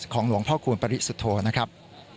หลวงพ่อคูณปริสุทธโธนะครับ